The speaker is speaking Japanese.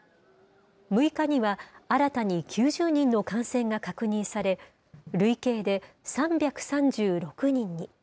６日には、新たに９０人の感染が確認され、累計で３３６人に。